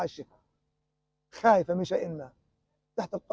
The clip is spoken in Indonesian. saya menjaga mereka